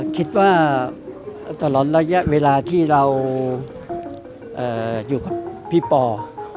คิดว่าตลอดระยะเวลาที่เราอยู่กับพี่ปอ